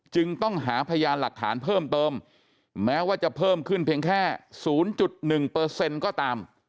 จึงต้องหาพยานหลักฐานเพิ่มเติมแม้ว่าจะเพิ่มขึ้นเพียงแค่๐๑ก็ตาม